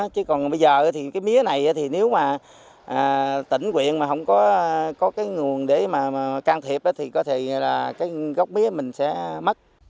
chứ còn bây giờ thì cái mía này thì nếu mà tỉnh quyện mà không có cái nguồn để mà can thiệp đó thì có thể là cái gốc mía mình sẽ mất